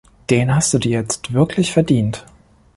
Den hast du dir jetzt wirklich verdient.